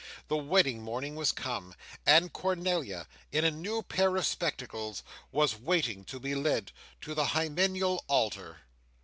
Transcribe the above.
the wedding morning was come, and Cornelia, in a new pair of spectacles, was waiting to be led to the hymeneal altar.